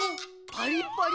パリッパリ。